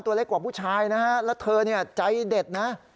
ตัวเล็กกว่าผู้ชายนะฮะแล้วเธอเนี่ยใจเด็ดนะ